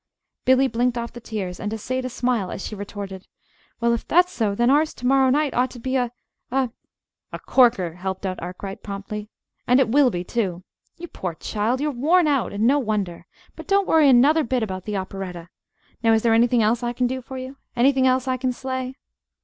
Billy blinked off the tears and essayed a smile as she retorted: "Well, if that's so, then ours to morrow night ought to be a a " "A corker," helped out Arkwright, promptly; "and it will be, too. You poor child, you're worn out; and no wonder! But don't worry another bit about the operetta. Now is there anything else I can do for you? Anything else I can slay?"